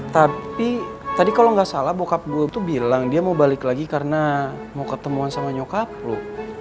tapi tadi kalau nggak salah bokap gue tuh bilang dia mau balik lagi karena mau ketemuan sama nyokaplu